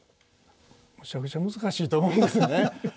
むちゃくちゃ難しいと思いますね。